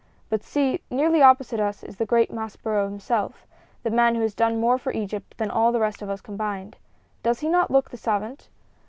"But see; nearly opposite us is the great Maspero himself the man who has done more for Egypt than all the rest of us combined. Does he not look the savant?